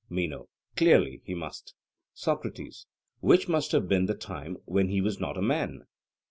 MENO: Clearly he must. SOCRATES: Which must have been the time when he was not a man?